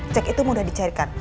cek itu mudah dicairkan